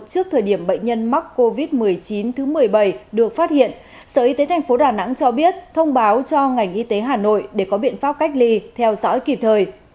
trước thời điểm bệnh nhân mắc covid một mươi chín thứ một mươi bảy được phát hiện sở y tế tp đà nẵng cho biết thông báo cho ngành y tế hà nội để có biện pháp cách ly theo dõi kịp thời